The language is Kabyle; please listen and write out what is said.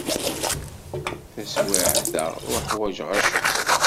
Taswiɛt-a, ur ḥwajeɣ acemma.